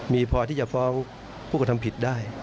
มีพอที่จะฟ้องผู้กระทำผิดได้